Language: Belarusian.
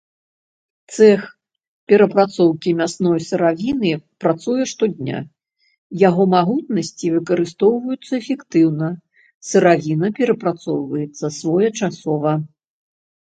Цэх перапрацоўкі мясной сыравіны працуе штодня, яго магутнасці выкарыстоўваюцца эфектыўна, сыравіна перапрацоўваецца своечасова.